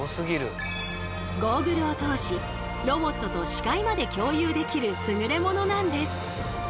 ゴーグルを通しロボットと視界まで共有できる優れ物なんです。